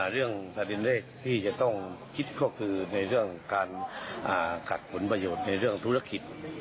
เรื่องประเด็นเลขที่จะต้องคิดก็คือในเรื่องการขัดผลประโยชน์ในเรื่องธุรกิจ